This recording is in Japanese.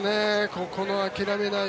ここの諦めない。